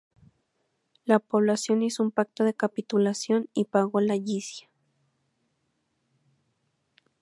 La población hizo un pacto de capitulación y pagó la yizia.